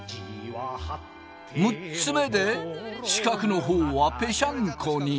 ６つ目で四角の方はペシャンコに。